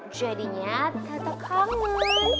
jadinya tata kangen